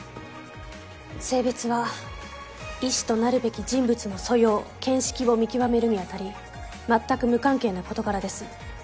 性別は医師となるべき人物の素養・見識を見極めるにあたりまったく無関係な事柄です。